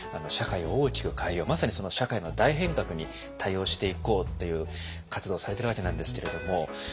社会を大きく変えようまさに社会の大変革に対応していこうという活動をされているわけなんですけれども。